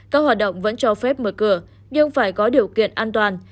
các hoạt động vẫn cho phép mở cửa nhưng phải có điều kiện an toàn